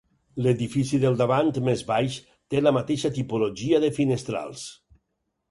L'edifici del davant, més baix, té la mateixa tipologia de finestrals.